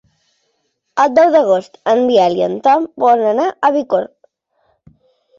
El deu d'agost en Biel i en Tom volen anar a Bicorb.